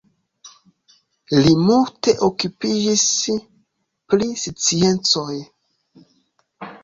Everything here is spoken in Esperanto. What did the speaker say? Li multe okupiĝis pri sciencoj.